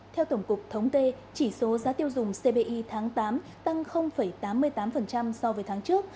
theo tổng cục thống tê chỉ số giá tiêu dùng cbi tháng tám tăng tám mươi tám so với tháng trước